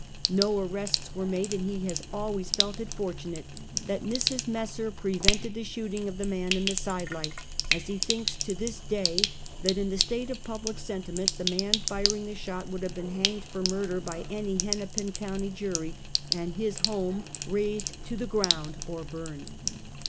1^0 arrests were made, and he has always felt it fortunate that Mrs. Messer prevented the shoot ing of the man in the side light, as he thinks to this day that in the state of public sentiment, the man firing the shot would have been hanged for murder by any Hennepin county jury, and his home razed to the ground or burned.